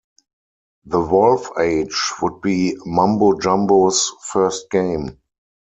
"The Wolf Age" would be MumboJumbo's first game.